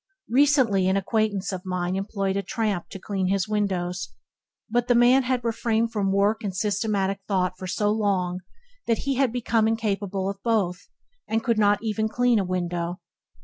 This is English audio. Recently an acquaintance of mine employed a tramp to clean his windows, but the man had refrained from work and systematic thought for so long that he had become incapable of both, and could not even clean a window.